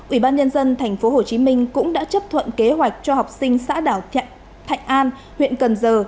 ủy ban nhân dân tp hcm cũng đã chấp thuận kế hoạch cho học sinh xã đảo thạnh an huyện cần giờ